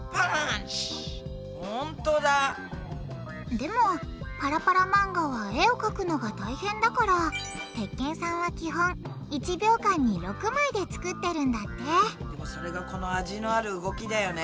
でもパラパラ漫画は絵をかくのが大変だから鉄拳さんは基本１秒間に６枚で作ってるんだってそれがこの味のある動きだよね。